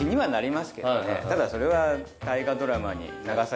ただそれは。